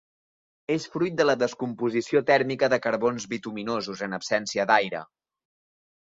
És fruit de la descomposició tèrmica de carbons bituminosos en absència d'aire.